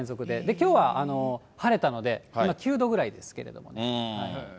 きょうは晴れたので、今９度ぐらいですけれどもね。